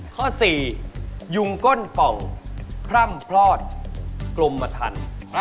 ข้อ๔ยุงก้นป่องพร่ำพลอดกลมทัน